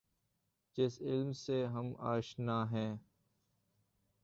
جس علم سے ہم آشنا ہیں۔